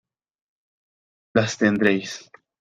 las tendréis.